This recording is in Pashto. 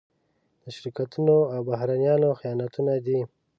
د شرکتونو او بهرنيانو خیانتونه دي.